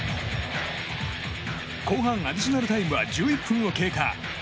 後半アディショナルタイムは１１分を経過。